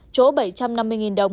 chỗ bảy trăm năm mươi đồng